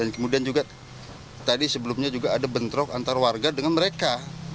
kemudian juga tadi sebelumnya juga ada bentrok antar warga dengan mereka